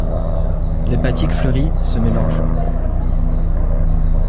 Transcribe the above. L’hépatique fleurit, semez l’orge.